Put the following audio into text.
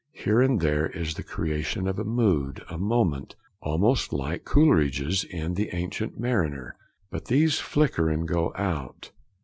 Here and there is the creation of a mood and moment, almost like Coleridge's in the Ancient Mariner; but these flicker and go out.